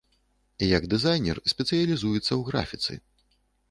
Як дызайнер спецыялізуецца ў графіцы.